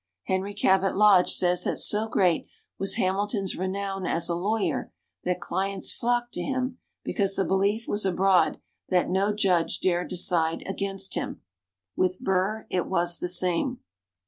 Henry Cabot Lodge says that so great was Hamilton's renown as a lawyer that clients flocked to him because the belief was abroad that no judge dare decide against him. With Burr it was the same.